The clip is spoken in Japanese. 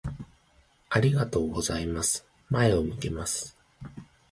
いつもありがとうございます。前を向けます。